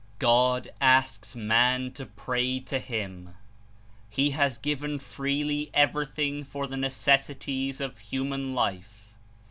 God asks man to pray to him. He has given freely everything for the necessities of human life.